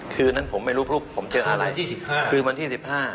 คืนวันที่๑๕